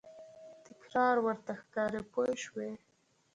تکرار ورته ښکاري پوه شوې!.